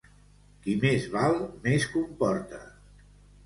Qui més val, més comporta.